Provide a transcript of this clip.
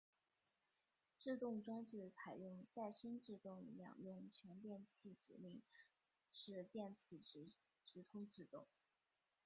制动装置采用再生制动两用全电气指令式电磁直通制动。